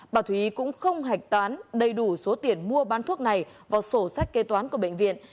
bà thúy cũng không hạch toán đầy đủ số tiền mua bán thuốc này vào sổ sách kế toán của bệnh viện